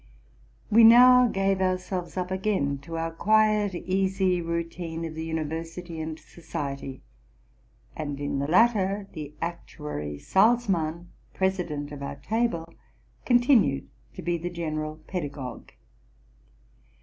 We now gave ourselves up again to our quiet, easy routine of the uni versity and society ; and in the latter the Actuary Salzmann, president of our table, continued to be the general pedagogue.